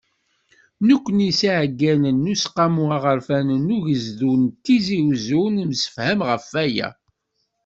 Nekkni s yiɛeggalen n Useqqamu Aɣerfan n Ugezdu n Tizi Uzzu, nemsefham ɣef waya.